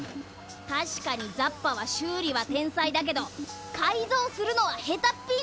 たしかにザッパはしゅうりはてんさいだけどかいぞうするのはへたっぴぃ